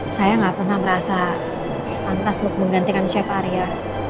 saya gak pernah merasa pantes untuk menggantikan chef arya